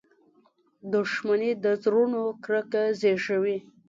• دښمني د زړونو کرکه زیږوي.